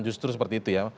justru seperti itu ya